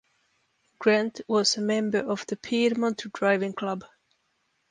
Grant was a member of the Piedmont Driving Club.